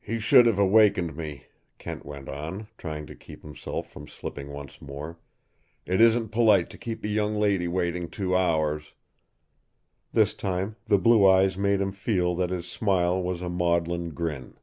"He should have awakened me," Kent went on, trying to keep himself from slipping once more. "It isn't polite to keep a young lady waiting two hours!" This time the blue eyes made him feel that his smile was a maudlin grin.